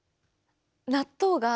納豆が。